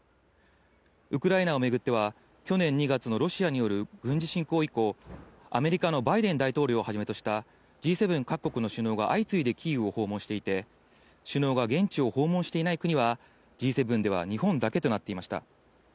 ウクライナをめぐっては去年２月のロシアによる軍事侵攻以降、アメリカのバイデン大統領をはじめとしたＧ７各国の首脳が相次いでキーウを訪問していて、首脳が現地を訪問していない国はＧ７では日本だけとなっていました。